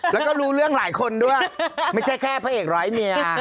แล้วก็รู้เรื่องหลายคนด้วยไม่ใช่แค่พระเอกร้อยเมีย